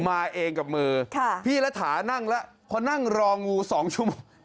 มาเองกับมือพี่รัฐานั่งแล้วพอนั่งรองู๒ชั่วโมง